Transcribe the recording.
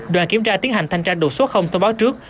đoàn kiểm tra tiến hành thanh tra đột xuất thông báo trước